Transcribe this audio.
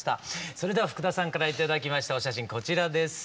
それでは福田さんから頂きましたお写真こちらです。